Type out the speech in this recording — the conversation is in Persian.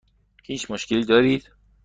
هیچ مشکلی دارید؟